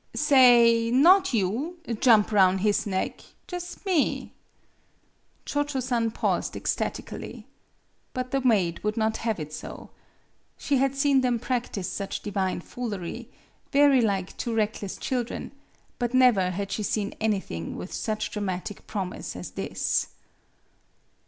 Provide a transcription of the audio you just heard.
" Sa ayJ not you jump roun' his neck jus' me." Cho Cho San paused ecstatically. But the maid would not have it so. She had seen them practise such divine foolery, very like two reckless children, but never . MADAME BUTTERFLY 25 had she seen anything with such dramatic promise as this.